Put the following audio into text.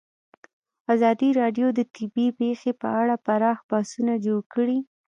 ازادي راډیو د طبیعي پېښې په اړه پراخ بحثونه جوړ کړي.